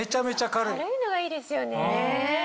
軽いのがいいですよね。